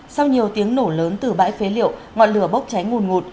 sau nhiều tiếng nổ lớn từ bãi phế liệu ngọn lửa bốc cháy ngùn ngụt